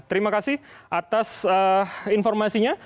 terima kasih atas informasinya